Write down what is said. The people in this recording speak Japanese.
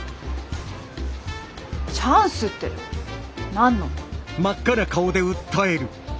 チャンスって何の？